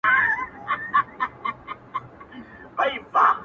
سم پسرلى ترې جوړ سي _